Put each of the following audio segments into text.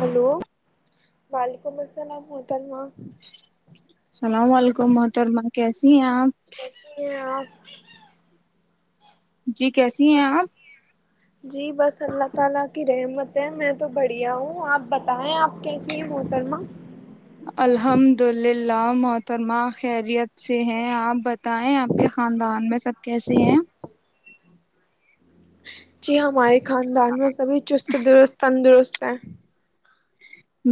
hello وعلیکم السلام سلام ہوٹ آپ جی کیسی ہیں آپ جی بس اللہ تعالی کی رحمت ہے میں تو بڑھیا ہوں، اپ بتائیں اپ کیسی ہیں محترمہ الحمد للہ محترمہ خیریت سے ہیں آپ بتائیں آپ کے خاندان میں سب کیسے ہیں جچ جی ہمارے خاندان میں سبھی چست درست تندرست ا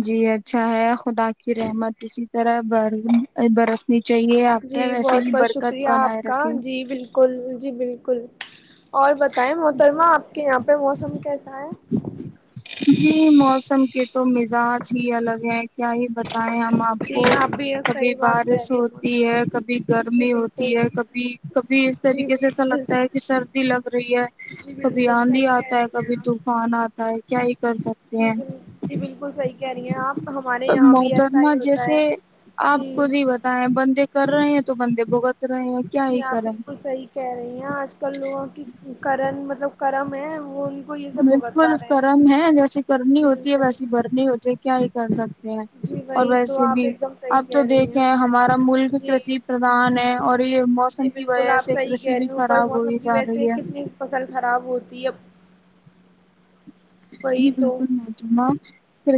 جی اچھا ہے خدا کی رحمت اسی طرح ب برسنی چاہیے آپ پ ویسے ہی برکت بنائے رکھے کل اور بتائیں محترما آپ کے یہاں پہ موسم کیسا ہے جی موسم کے تو مزاج ہی الگ ہے کیا یہ بتائیں آپ ہم آپ کو کبھی بارش ہوتی ہے کبھی گرمی ہوتی ہے کبھی کبھی اس طریقے سے ایسا لگتا ہے کہ سردی د لو رہی ہے کبھی آندھی آتا ہے کبھی طوفان آتا ہ کیا جی ب جی بالکل صحیح کہہ رہی ہیں آپ ہمارے یہاں بھی ایسا ہی ہوتا ہے جی کر رہے ہیں تو بندے بہگت جی آپ بالکل صحیح کہہ رہی ہیں آج کل لوگوں کی کرن مطلب کرم ہے بالکل کرم ہے جیسی کرنی ہوتی ہے ویسی بھرنی ہوتی ہے کیا س سک اور ویسے بھی اب تو دیکھیں ہمارا ملک کشی پردان ہے اور یہ موسم کی وجہ سے کرشسی بھی خراب ہوئی جا رہی ہے جی بالکل مد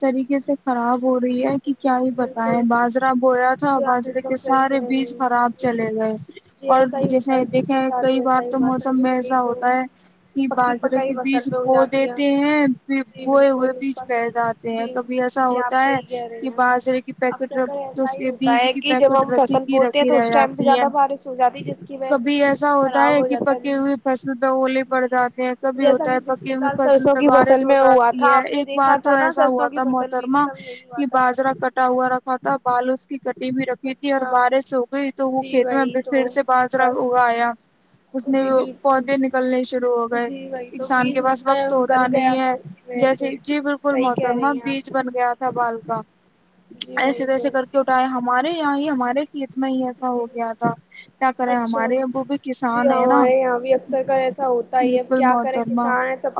طریقے سے خراب ہو رہی ہے کہ کیا ہی بتائے باجرہ بویا تھا باجرے کے سارے بیج خراب چلے گئے اور جیسے دیکھے کئی بار تو موسم میں ایسا ہوتا ہے کہ باجرے کے بیج بو دیتے ہیں بھوئے ہوئے بیچ بیٹھ جاتے ہیں کبھی ایسا ہوتا ہے کہ ب رے پیکٹ اس کے بیج کی پیکٹ رھی کی رکھی رہ جاتی ہے کبھی ایسا ہوتا ہے کہ پکی ہوئے فصل پہ الے پڑ جاتے ہیں کبھی ہوتا ہے ہوئی فصل پ بارش ہو جاتی ہے ایک بار تو ایسا ہوا تھا محترمہ کہ باجرا کٹا ہوا رکھا تھا بال اس کی کٹی بھی رکھی تھی اور بارش ہو گئی تو وہ کھیت میں پھر سے بازر اگا آیا اس نے پودے نکلنے شرع ہو گئے کسان کے پاس وقت ہوتا نہیں ہے جیسے جی بالکل محترما بیچ بن گیا تھا بال کا ایسے ایسے کر کے اٹھائے ہمارے آاں ہمارے کھیتنا ہی ایسا ہو گیا تھا کیا کرے ہمارے وہ بھی کسان ہے نا بالکل محترما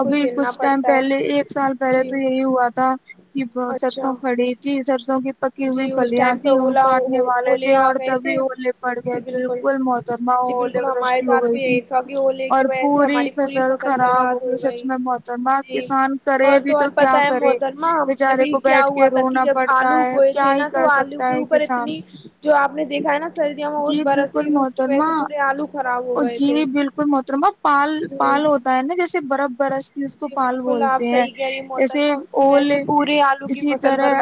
ابھی کچھ ٹائم پہلے ایک سال پہلے تو یہی ہوا تھا کی سرسوں کھڑی تھی سرسوں کی پکی ہوئی پھلیاں تیں ان کاٹنے والے تھے اور تبھی ہولے پڑ گئے بالکل محترما ہول وش ہو گئی تھی اور پوری فصل خراب سچ میں بت ہے ب کسان کرے بھی تو کیا کرے بیچارے کو بیٹھ کے رونا پڑتا ہے کیا ہی کر سکتا ہے کسان جی بالکل محترما جی بالکل محترما پال پال ہوتا ہے نا جیسے بر برس کی اس کو پال بولتے ہیں ایسے اول اسی طرح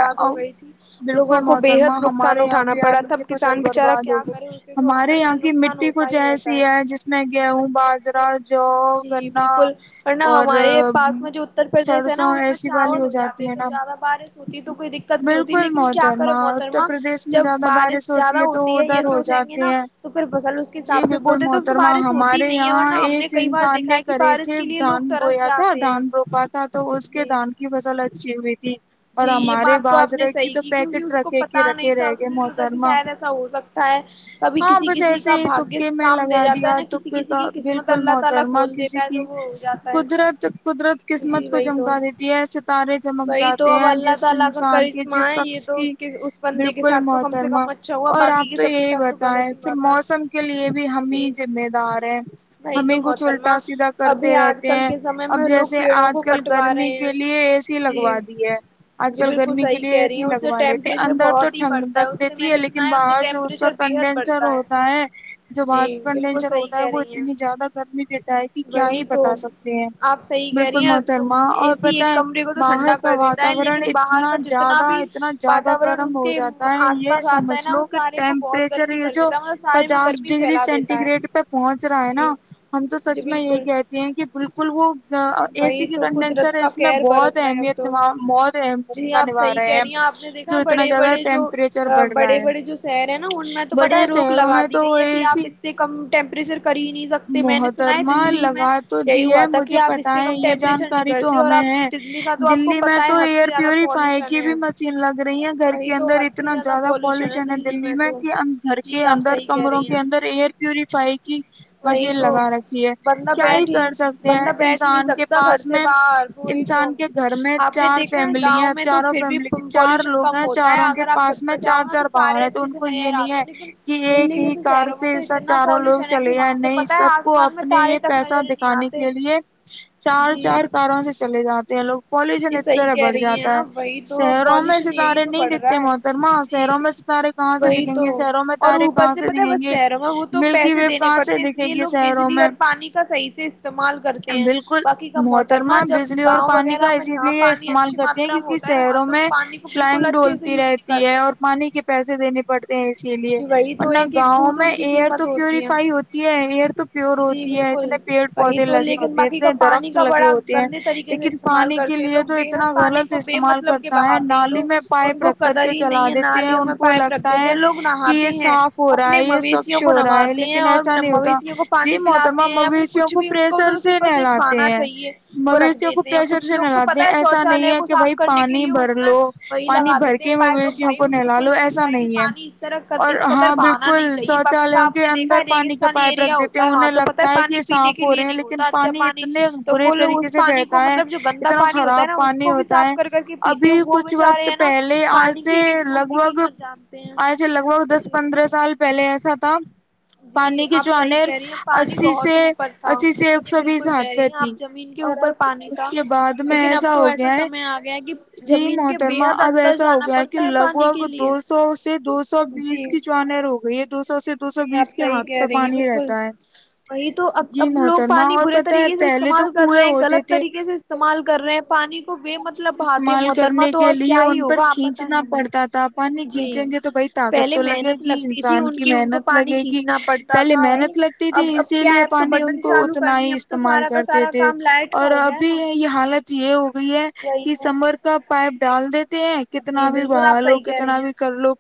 بالکل محترما ہمارے یہاں بھی آلو کی فصل برباد ہوگی ہمارے یہاں کی مٹی کچھ ایسی ہے جس میں گیہوں باجرا جو گنا اورن ہاں ہمارے پاس میں جو اتر پردیش ہے نا اس میں چاول ہو جاتے ہیں تو زیادہ بارش ہوتی ہے تو کوئی دقت نہیں ہوتی لیکن کیا کر محترما جب بارش زیادہ ہوتی ہے یہ سوچیں گے نا تو پھر فصل اس کے حساب سے بولتے توب تو بارش ہوتی ہی نہیں ہے ورنہ ہم نے کئی بار دیکھا ہے کہ بارش کے لیے لوگ تھا دھان روپا تھا تو اس کے دھان کی فصل اچھی ہوئی تھی قدرت قدرت قسمت کو چمکا دیتی ہے ستارے چمک جاتے ہیں جس انسان کے جس شخص کی بالکل محترمہ اور آپ تو یہی بتائیں پھر موسم کے لیے بھی ہم ہی ذمہ دار ہے ہمیں کچھ الٹا سیدھا کر رہتے ہیں اب جیسے آج کل گرمی کے لیے اے سی لگوا دی ہے آج کل گرمی کے لیے اے سی لگوا لیتی اندر تو ٹھنگ رکھ دیتی ہے لیکن باہر جو اس کا کنڈینسر ہوتا ہے جو باہر کا کنڈینسر ہوتا ہے وہ اتنی زیادہ گرمی دیتا ہے ت کیا ہی بتا سکتے ہیں بالکل محترما اور پت ہے باہر کا واقع واتورن اتنا زیادہ اتنا زیادہ گرم ہو جاتا ہے یہ سمجھ لو کہ ٹیمپریچر یہ جو پچاس ڈگری سینٹی گریڈ پہ پہنچ رہا ہے نا ہم تو سچ میں یہی کہتے کہ بالکل وہ اے سی کی کنڈینشر اس میں بہت اہمیت نا جی آپ صحیح کہہ رہی ہیں آپ نے دیکھا بڑے بڑے جو بڑے بڑے جو شہر ہیں نا ان میں تو پتا ہے روک لگا دی گئی ہے کہ آپ اس سے کم ٹیمپریچر کر ہی نہیں سکتے میں نے سنا ہے دللی میں یہی ہوا تھا کہ آپ اس سے کم ٹیمپریچر نکلتے اور آپ بجلی کا تو آپ کو تو ایئر پیوریفائی کی بھی مشین لگ رہی ہے گھر کے اندر اتنا زیادہ پالوشن ہے دللی میں کہ گھر کے اندر کمروں کے اندر ایئر پیوریفائی کی مشین لگا رکھی ہے کیا کر سکتے ہیں انسان کے پاس میں انسان کے گھر میں چار فیملی ہیں چاروں فیملی چار لوگ ہیں چاروں کے پاس میں چار چار باہن ہے تو ان کو یہ نہیں ہے کہ ایک ہی کار سے ایسا چاروں لوگ چلے جئے نہیں سب کو اپنے یہ پیسہ ے کے لیے چار چار کاروں سے چلے جاتے ہیں لوگ کو پالوشن اس طرح بڑھ جاتا ہے شہروں میں ستارے نہیں دکھتے محترماں شہروں میں ستارے کہاں سے دکھیں گے شہروں میں تارے کہاں سے دکھیں گے ملکی ویو کہاں سے دکھیں گی شہروں میں سے استعمال کرتے ہیں باقی کا محترمہ جب گاؤ وغیرہ لیے استعمال کرتے ہیں کیونکہ شہروں میں فلائنگ ڈولتی رہتی ہے اور پانی کے پیسے دینے پڑتے ہیں اسی لیے ورنہ گاؤں میں ایئر تو پیوریفائی ہوتی ہے ایئر تو پیور ہوتی ہے اتنے پیڑ پودے لگے ہوتے ہیں اتنے درخت لگے ہوتے ہیں لیکن پانی کے لیے تو اتنا غلط استعمال کرتا ہے نالی میں پائپ رکھ کر کے چلا دیتے ہیں ان کو لگتا ہے کہ یہ صاف ہو رہا ہے یہ سوچھ ہو رہا ہے لیکن ایسا نہیں ہوتا جی محتمہ مبش کچھ بھی ان کوط پاس ایک باننا چاہیے وہ رکھ دیتے ہیں کچھ لوگ تو پت ہے شوچالیہ کو صاف کرنے کے لیے اس میں وہی لگا دیتے ہیں پپ بھائی ان کو کوئی سمجھائے گ پانی اس طرح اس قدر بہانا نہیں چاہیے باقی کا آپ نے دیکھا ہے ریگستانی ایریا ہوتا ہے وہاں تو پت ہے پانی صاف ہو رہے ہیں لیکن پانی اتنے برے طریقے سے بہتا ہے اتنا خراب پانی ہوتا ہے ابھی کچھ وقت پہلے آج سے لگ بھگ آج سے لگ بھگ دس پندرہ سال پہلے ایسا تھا پانی کے جو انیرر اسی اوپر تھا جی بالکل کہہ رہی ہیں آپ زمین کے اوپر پانی تھا میں ایسا ہو گیا ہے جی محترما اب ایسا ہو گیا ہے کہ لگ بھگ دو سو سے دو سو بیس کی چانر ہو گئی ہے دو سو سے دو سو بیس کے ہاتھ پہ پانی رہتا ہے اب اب لوگ پانی برے طریقے سے استعمال کر رہے ہیں غلط طریقے سے استعمال کر کر رہے ہیں پانی استعمال کرنے کے لیے ان پر کھینچنا پڑتا تھا پانی کھینچیں گے تو بھائی طاقت تو لگے گی انسان کی محنت لگے گی پہلے محنت لگتی تھی اسی لیے پانی ان کو اتنا ہی استعمال کرتے تھے اور ابھی یہ حالت یہ ہو گئی کہ سمر کا پائپ ڈال د ہیں کتنا بھی بہا لو کتنا بھی کر لو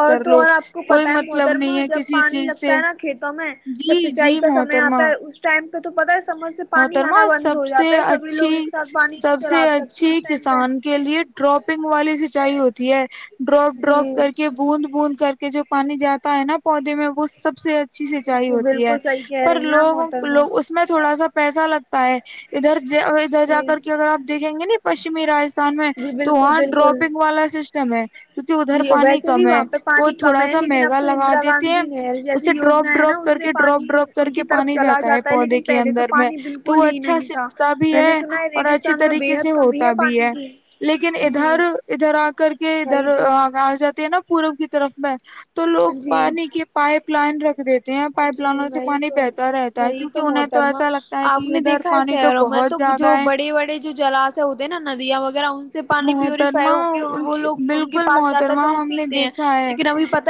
اور تو اور آپ کو پتا ہے محترما جب پانی لگتا ہے نا کھیتوں میں جب سچائی کا سمے آتا ہے اس ٹائم پ تو پ محترما سب سے اچھی سب سے اچھی کسان کے لیے ڈراپنگ والی سینچائی ہوتی ہے ڈراپ ڈراپ کر کے بوند بوند کر کے جو پانی جاتا ہے نا پودے میں وہ سب سے اچھی سچائی ہوتی ہے پر لوگ لوگ اس میں تھوڑا سا پیسہ لگتا ہے ادھر ادھر جا کر کے اگر آپ دیکھیں گے گ نہیں پشچمی رجستھان میں تو وہاں ڈراپنگ والا سسٹم ہے کیونکہ ادھر پانی کم ہے وہ تھوڑا سا مہنگا لگا دیتے ہیں اسے ڈراپ ڈراپ کر کے ڈراپ ڈراپ کر کے پانی جاتا ہے پودے کے اندر میں تو وہ اچھا سچتا بھی ہے اور اچھے طریقے سے ہوتا بھی ہے لیکن ادھر ادھر آ کر کے ادھر آ جاتی ہے نا پورب کی طرف میں تو لوگ پانی کے پائپ کلائنٹ رکھ د پائپ لائنوں سے پانی بہتر رہتا ہے کیونہ انہیں تو ایسا لگتا ہے آپ نے دیکھا ہے شہروں میں تو جو بڑے بڑے جو جلاش ہوتے ہیںا ندیاں وغیرہ ان محترمہ بالکل محترمہ ہم نے دیکھا ہے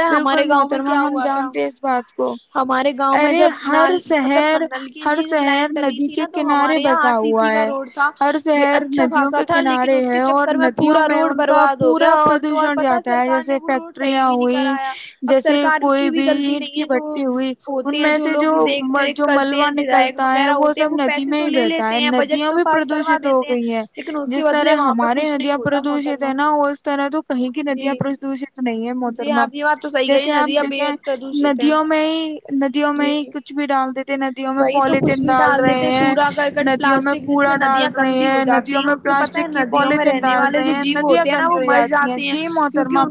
بالکل محترمہ ہم جانتے اس بات کو ہمارے گاؤں میں جب نال مطلب نل کے لیے جب لائن ڈلی تھی نا تو ہمارے یہاں آر سی سی کا روڈ تھا وہ اچھا خاصا تھا لیکن اس کے چکر میں پورا روڈ برباد ہو گیا اور تو اور پتا سرکار نے وہ روڈ صحیح بھی نہیں کرایا اب سرکار کی بھی غلطی نہیں ہے جو ہوتے ہیں جو لوگ دیکھ ریکھ کرتے ہیں بداک وغیرہ ہوتے ہیں وہ پیسے تو لے لیتے ہیں بجٹ تو پاس کروا دیتے ہیں لیکن اس کے بدلے وہاں پہ ندیاں پردوشت ہے نا اس طرح تو کہیں کی ندیاں پردوشت نہیں ہے محترما جیسے آپ دیکھیں ندیوں میں ہی ندیوں میں ہی کچھ بھی ڈال دیتے ندیوں میں پولیتھیین ڈال رہے ہیں ندیوں میں کوڑا ڈال رہے ہیں ندیوں میں پلاسٹک پولیتین ڈال رہے ہیں ندیاں گندی ہو جاتی ہیں جی محترما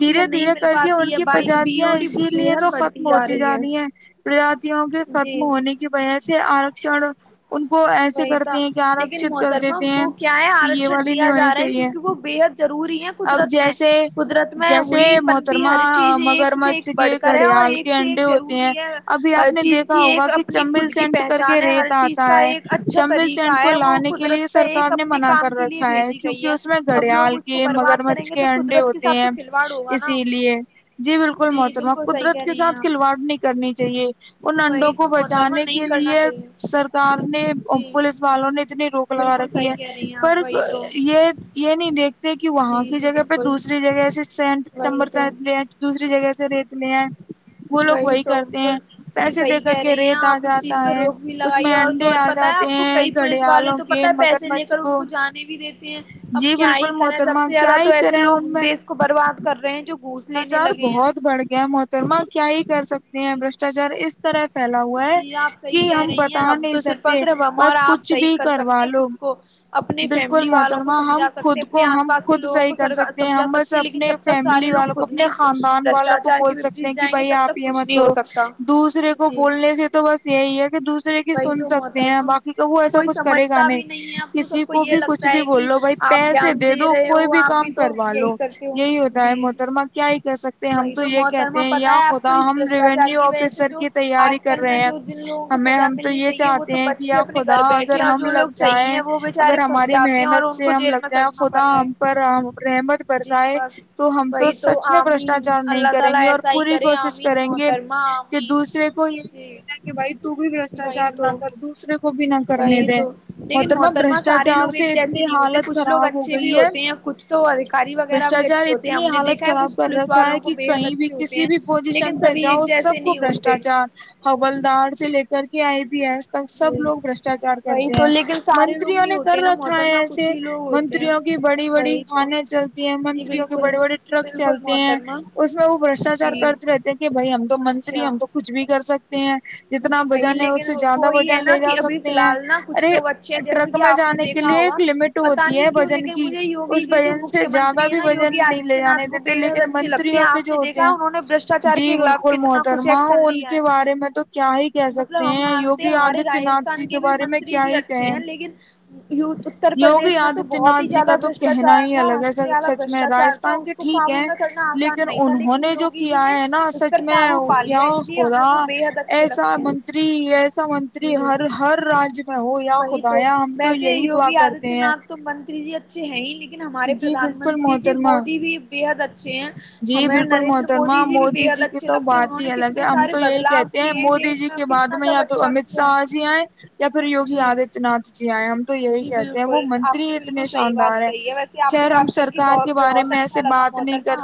دھیرے دھیرے کر کے ان کی پرجاتیاں اسی لیے تو ختم ہوتی ہیں پرجاتیوں کے ختم ہونے کی وجہ سے آرشن ان کو ایسے کرتے ہیں کہ آرشت کر دیتے ہیں ک دیا جا رہا ہے کیونکہ وہ بے حد ضروری ہے قدرت میں قدرت میں ہوئی پنپی ہر چیز ایک سے ایک بڑھ کر ہے اور ایک سے ایک ضروری ہے ہر چیز کی ایک اپنی خود کی پہچان ہے ہر چیز کا ایک ا اچھا طریقہ ہے وہ قدرت پہ ایک اپنے کام رکھا ہے کیونکہ اس میں گڑیال کے مگر مچھ کے انڈے ہوتے ہیں اسی لیے جی بالکل محترمہ قدرت کے ساتھ کھلواڑ نہیں کرنی چاہیے ان انڈوں کو بچانے کے لیے سرکار نے پولس والوں نے ا جتنی روک لگا رکھی ہے پر یہ یہ نہیں دیکھتے کہ وہاں کی جگہ پہ دوسری جگہ سے سینٹ چمبر سینٹ ریٹ دوسری جگہ سے ریٹ اسل وہ لوگ وہی کرتے ہیں پیسے دے کر کے ریت آ جاتا ہے اس میں انڈے آ جاتے ہیں گھڑیالوں کے مگر مچلی کو جانے بھی دیتے ہیں اب کیا ہی کریں سب سے زیادہ تو ایسے لوگ دیس کو برباد کر رہے ہیں جو گھس لینے لگے ہیں کر سکتے ہیں برشٹاچار اس طرح پھیلا ہوا ہے کہ ہم بتا نہیں سکتے بس کچھ بھی کروا لو بالکل محترما ہم خود کو ہم خود صحیح کر سکتے ہیں ہم بس اپنے فیملی والوں کو اپنے خاندان والوں کو بول سکتے ہیں کہ بھائی آپ یہ مت کرو دوسرے کو کو بولنے سے تو بس یہی ہے کہ دوسرے کی سن سکتے ہیں باقی کا وہ ایسا کچھ کرے گا نہیں کسی کو کو بھی کچھ بھی بول لو بھائی پیسے دے دو کوئی بھی کام کروا لو یہی ہوتا ہے محترما کیا ہی کہ سکتے ہم تو یہ کہتے ہیں یا خدا ہم ریوینیو آفیسر کی تیاری کر رہے ہیں ہمیں ہم تو یہ چاہتے ہیں کہ یا خدا اگر ہم لگ جائیں اگر ہماری محنت سے ہم لگ جائیں خدا ہم پر رحمت برسائے تو ہم تو سچ میں بشٹاچار نہیں کریں گے اور پوری کوشش کریں گے کہ دوسرے کو یہی بولنا کہ بھائی ت بھی بشٹاچار نہ کر دوسرے کو کو بھی نہ کرنے دیں متر میںا بش اچار سے اتنی حالت خراب ہو گئی ہے بشٹاچار اتنی حالت خراب کر رکھا ہے کہ کہیں بھی کسی بھی پوزیشن پہ جاؤ سب کو بشٹاچار حلدار سے لے کے کر کے آئے بھی ہے تک سب لوگ بشٹاچار کرتے ہیں من موں نے کر رکھا ہے ایسے منتریوں کی بڑی بڑی کھانے چلتی ہیں منتریوں کے بڑے بڑے ٹرک چلتے ہیں اس میں وہ بشٹاچار کرتے رہتے کہ بھائی ہم تو منتری ہم تو کچھ بھی کر سکتے ہیں ج جی وہی لیکن وہی ہے نا کہ ابھی فی الحال نا کچھ لوگ اچھے ہیں جیسے ک میں جانے کے لیے ایک لمٹ ہوتی ہے بجن کی اس بجن سے زیادہ بھی بجن نہیں لے جانے دیتے لیکن منتریوں کے جو ہوتے ہیں جی بالکل محترما ہ ان کے بارے میں تو کیا کہہ سکتے ہیں یوگی آدتیہ ناتھ جی کے بارے میں کیا ہی کہیں لیکن اتر پردیش میں تو بہت ہی زیادہ بشٹاچار تھا ح سے زیادہ بٹاچار تھا اس کو کاابو میں کرنا آسان نہیں تھا لیکن یگی جی نے اس پر قابو پا لیا اس لیے ہمیں وہ بے حد اچھا منتری ایسا منتری ہر ہر رج [inaudible] وہی تو ویسے یوگی آدتیہ ناتھ تو منتری جی اچھے ہیں ہی لیکن لیکن ہمارے پردان منتری جی مودی بھی بےحد اچھے ہیں ہمیں نریندر مودی جی بھی بےحد اچھے لگتے انہوں نے کتنے سارے بدلاؤ کیے ہیں دیس میں کتنا سب اچھا کیا آدتیہ ناتھ جی آئے ہم تو یہی کہتے ہیں وہ منتری اتنے شاندار ہیں خیر ہم سرکار کے بارے میں ایسے بات نہیں کر سکتے